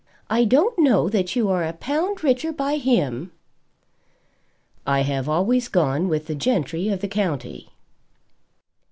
I don't know that you are a pound richer by him." "I have always gone with the gentry of the county."